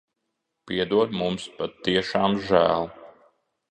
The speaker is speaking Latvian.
Piedod. Mums patiešām žēl.